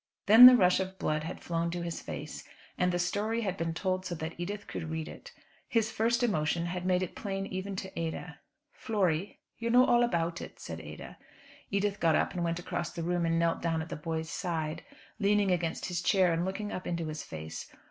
Then the rush of blood had flown to his face, and the story had been told so that Edith could read it. His first emotion had made it plain even to Ada. "Flory, you know all about it," said Ada. Edith got up and went across the room and knelt down at the boy's side, leaning against his chair and looking up into his face.